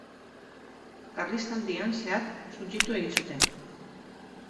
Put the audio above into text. Karlistaldian zehar suntsitu egin zuten.